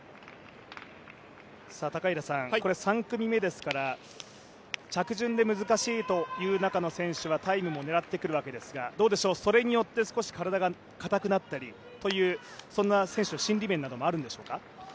これ、３組目ですから着順で難しいという選手の中ではタイムも狙ってくるわけですがそれによって少し体が硬くなったりという、そんな選手の心理面などもあるんでしょうか？